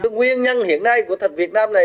nguyên nhân hiện nay của thật việt nam này